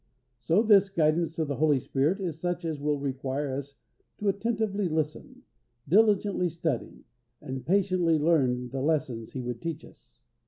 So this guidance of the Holy Spirit is such as will require us to attentively listen, diligently study, and patiently learn the lessons He would teach us.